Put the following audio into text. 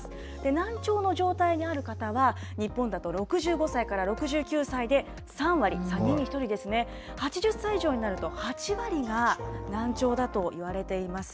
難聴の状態にある方は、日本だと６５歳から６９歳で３割、３人に１人ですね、８０歳以上になると８割が難聴だと言われています。